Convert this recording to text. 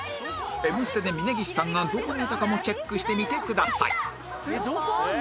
『Ｍ ステ』で峯岸さんがどこにいたかもチェックしてみてください